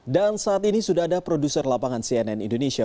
dan saat ini sudah ada produser lapangan cnn indonesia